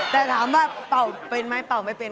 แต่ถามว่าเป่าเป็นไหมเป่าไม่เป็น